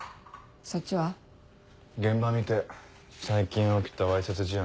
現場見て最近起きたわいせつ事案